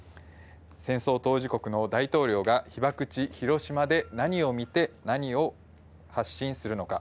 戦争当事国の大統領が、被爆地、広島で何を見て、何を発信するのか。